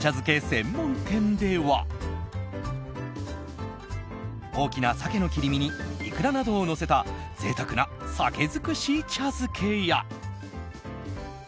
専門店では大きな鮭の切り身にイクラなどをのせた贅沢な鮭づくし茶漬けや。